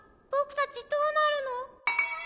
たちどうなるの？